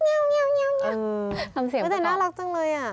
ทำเสียงประกอบแต่น่ารักจังเลยอ่ะ